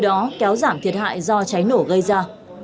nguyện thiết hại do cháy nổ gây ra